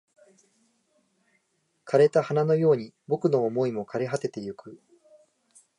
枯れた花のように僕の想いも枯れ果ててゆく